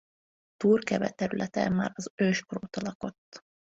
Túrkeve területe már az őskor óta lakott.